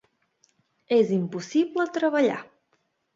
És impossible treballar.